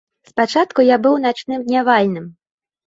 Спачатку я быў начным днявальным.